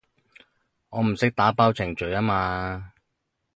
我唔識打包程序吖嘛